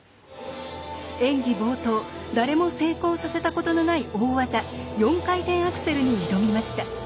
演技冒頭誰も成功させたことのない大技４回転アクセルに挑みました。